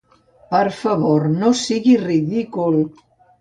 Per favor, no siguis ridícul!